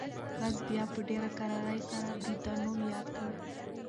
غږ بیا په ډېره کرارۍ سره د ده نوم یاد کړ.